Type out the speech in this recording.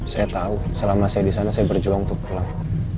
saya tahu selama saya disana saya berjuang untuk pulang